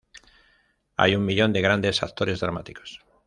Hay una millón de grandes actores dramáticos.